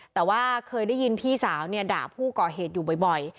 แต่ว่าเคยได้ยินพี่สาวด่าผู้ก่อเหตุอยู่บ่อย